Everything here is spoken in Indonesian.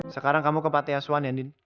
sekarang kamu ke patiasuan ya nin